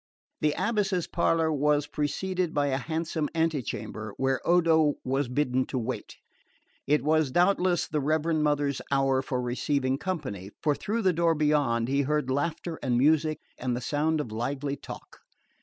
The abbess's parlour was preceded by a handsome antechamber, where Odo was bidden to wait. It was doubtless the Reverend Mother's hour for receiving company, for through the door beyond he heard laughter and music and the sound of lively talk.